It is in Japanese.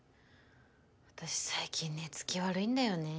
私最近寝つき悪いんだよね。